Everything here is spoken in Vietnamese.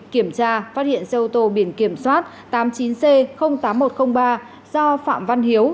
kiểm tra phát hiện xe ô tô biển kiểm soát tám mươi chín c tám nghìn một trăm linh ba do phạm văn hiếu